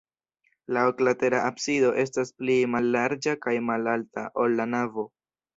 La oklatera absido estas pli mallarĝa kaj malalta, ol la navo.